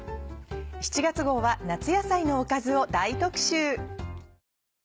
７月号は夏野菜のおかずを大特集。